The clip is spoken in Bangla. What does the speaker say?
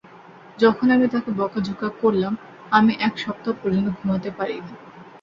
যখন আমি তাকে বকাঝকা করলাম, আমি এক সপ্তাহ পর্যন্ত ঘুমাতে পারিনি।